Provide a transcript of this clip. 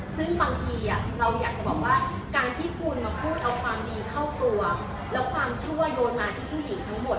ซึ่งบางทีเราอยากจะบอกว่าการที่คุณมาพูดเอาความดีเข้าตัวแล้วความชั่วโยนมาที่ผู้หญิงทั้งหมด